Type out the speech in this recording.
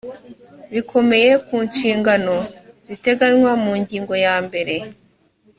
bikomeye ku nshingano ziteganywa mu ngingo yambere